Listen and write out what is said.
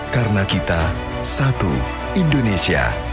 karena kita satu indonesia